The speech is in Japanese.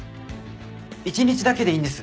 一日だけでいいんです。